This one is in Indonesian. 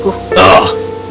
aku siap membayar kesalahanku